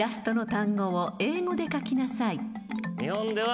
日本では。